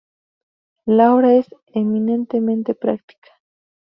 La obra es eminentemente práctica.